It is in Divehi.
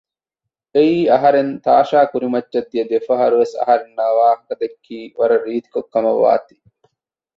އެއީ އަހަރެން ތާޝާ ކުރިމައްޗައް ދިޔަ ދެފަހަރުވެސް އަހަރެންނާއި ވާހަކަ ދެއްކީ ވަރަށް ރީތިކޮށް ކަމައްވާތީ